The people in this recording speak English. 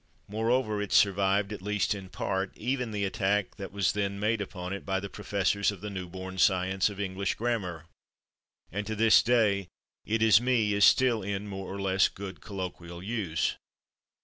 Moreover, it survived, at least in part, even the attack that was then made upon it by the professors of the new born science of English grammar, and to this day "it is /me/" is still in more or less good colloquial use.